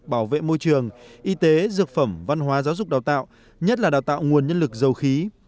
bảo vệ môi trường y tế dược phẩm văn hóa giáo dục đào tạo nhất là đào tạo nguồn nhân lực dầu khí